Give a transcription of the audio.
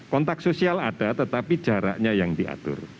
kontak sosial ada tetapi jaraknya yang diatur